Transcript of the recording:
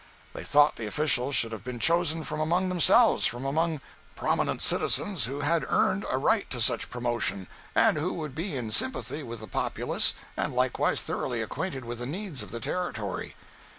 They thought the officials should have been chosen from among themselves from among prominent citizens who had earned a right to such promotion, and who would be in sympathy with the populace and likewise thoroughly acquainted with the needs of the Territory.